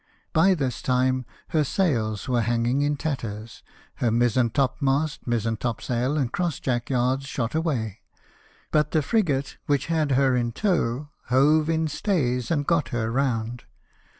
By this time her sails were hanging in tatters, her mizen top mast, mizen topsail, and cross jack yards, shot away. But the frigate which had her in tow hove in stays, and got her round.